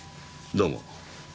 どうも。